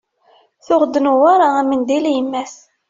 Tuɣ-d Newwara amendil i yemma-s.